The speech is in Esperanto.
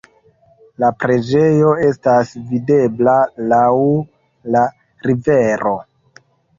La preĝejo estas videbla laŭ la rivero.